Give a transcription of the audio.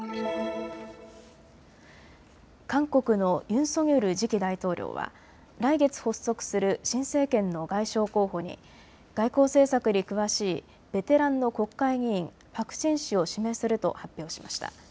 韓国のユン・ソギョル次期大統領は来月発足する新政権の外相候補に外交政策に詳しいベテランの国会議員、パク・チン氏を指名すると発表しました。